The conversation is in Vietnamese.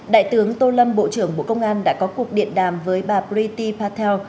đại tướng tô lâm bộ trưởng bộ công an đã có cuộc điện đàm với bà prity patel